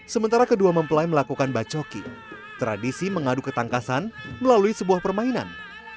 sementara kedua mempelai melakukan bacoki tradisi mengadu ketangkasan melalui sebuah permainan